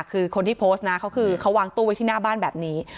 คือคนที่โพสต์นะเขาคือเขาวางตู้ไว้ที่หน้าบ้านแบบนี้